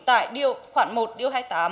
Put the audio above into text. tại điều khoảng một điều hai mươi tám